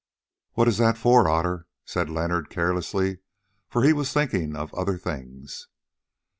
"What is that for, Otter?" said Leonard carelessly, for he was thinking of other things.